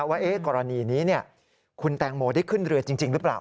ว่ากรณีนี้คุณแตงโมได้ขึ้นเรือจริงหรือเปล่า